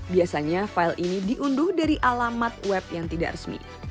biasanya file ini diunduh dari alamat web yang tidak resmi